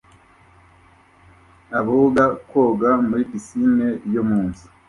Aboga koga muri pisine yo mu nzu